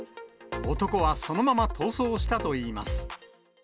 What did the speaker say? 男はそのまま逃走したといいます。